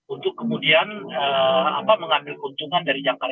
untuk kemudian mengambil keuntungan dari jangkar